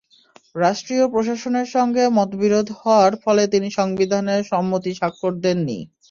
রাষ্ট্রীয় প্রশাসনের সঙ্গে মতবিরোধ হওয়ার ফলে তিনি সংবিধানে সম্মতি স্বাক্ষর দেননি।